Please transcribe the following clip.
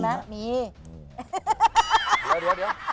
เดี๋ยว